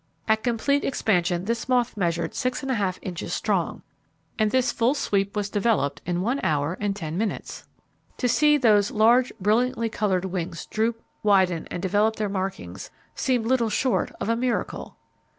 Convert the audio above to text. At complete expansion this moth measured six and a half inches strong, and this full sweep was developed in one hour and ten minutes. To see those large brilliantly coloured wings droop, widen, and develop their markings, seemed little short of a miracle.